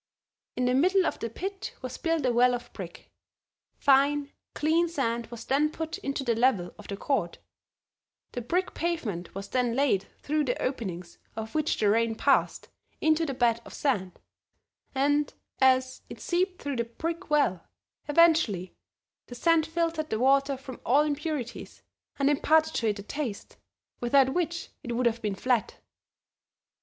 In the middle of the pit was built a well of brick; fine, clean sand was then put in to the level of the court; the brick pavement was then laid, through the openings of which the rain passed into the bed of sand, and, as it seeped through the brick well eventually the sand filtered the water from all impurities and imparted to it a taste, without which it would have been "flat."